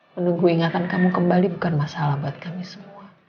menunggu ingatan kamu kembali bukan masalah buat kami semua